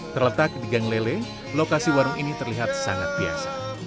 terletak di gang lele lokasi warung ini terlihat sangat biasa